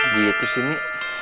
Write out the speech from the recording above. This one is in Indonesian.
gitu sih mi